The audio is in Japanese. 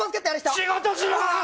仕事しろ！